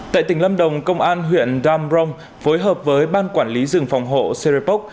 tại tỉnh lâm đồng công an huyện damrong phối hợp với ban quản lý rừng phòng hộ serepok